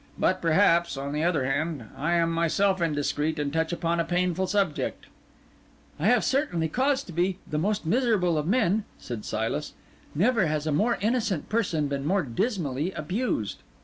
But, perhaps, on the other hand, I am myself indiscreet and touch upon a painful subject." "I have certainly cause to be the most miserable of men," said Silas; "never has a more innocent person been more dismally abused."